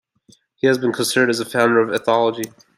He has been considered as a founder of ethology.